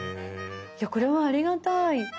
いやこれはありがたい。